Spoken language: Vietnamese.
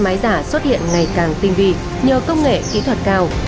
máy giả xuất hiện ngày càng tinh vi nhờ công nghệ kỹ thuật cao